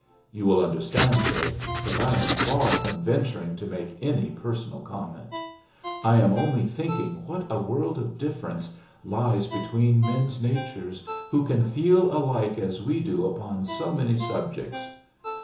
You will understand, sir, that I am far from venturing to make any personal comment. I am only thinking what a world of difference lies between men's natures who can feel alike as we do upon so many subjects.